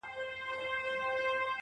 لـه ژړا دي خداى را وساته جانـانـه~